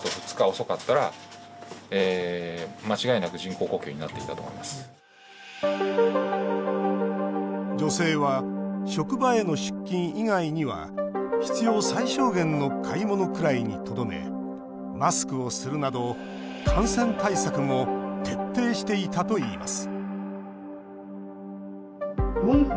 酸素の吸入が必要な状態にまで陥りました女性は、職場への出勤以外には必要最小限の買い物くらいにとどめマスクをするなど、感染対策も徹底していたといいます